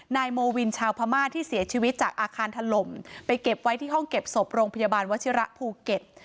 นายโมวินชาวพม่าที่เสียชีวิตจากอาคารถล่มไปเก็บไว้ที่ห้องเก็บศพโรงพยาบาลวชิระภูเก็ต